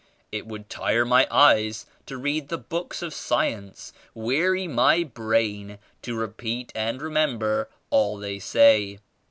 It would tire my eyes to read n the books of science, weary my brain to repeat and remember all they say.